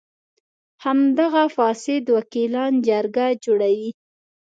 همدغه فاسد وکیلان جرګه جوړوي.